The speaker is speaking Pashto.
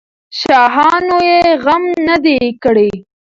شاهانو یې غم نه دی کړی.